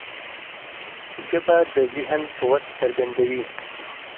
ژبه د ذهن قوت څرګندوي